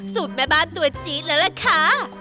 แม่บ้านตัวจี๊ดแล้วล่ะค่ะ